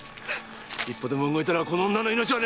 一歩でも動いたらこの女の命はねえぞ！